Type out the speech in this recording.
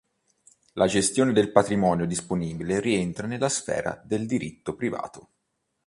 La gestione del patrimonio disponibile rientra nella sfera del diritto privato.